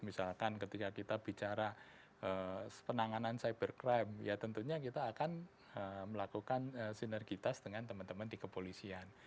misalkan ketika kita bicara penanganan cybercrime ya tentunya kita akan melakukan sinergitas dengan teman teman di kepolisian